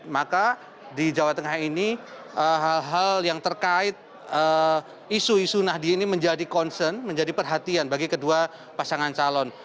maka di jawa tengah ini hal hal yang terkait isu isu nahdi ini menjadi concern menjadi perhatian bagi kedua pasangan calon